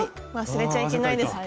忘れちゃいけないです